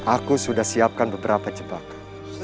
aku sudah siapkan beberapa jebakan